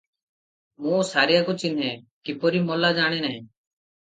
"ମୁଁ ସାରିଆକୁ ଚିହ୍ନେ, କିପରି ମଲା ଜାଣେ ନାହିଁ ।